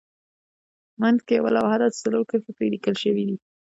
منځ کې یوه لوحه ده چې څلور کرښې پرې لیکل شوې دي.